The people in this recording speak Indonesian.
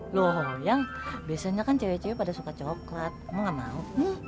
loh ayang biasanya kan cewek cewek pada suka coklat kamu gak mau